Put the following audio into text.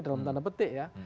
dalam tanah petik ya